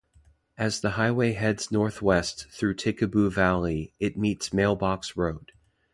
As the highway heads northwest through Tikaboo Valley, it meets Mail Box Road.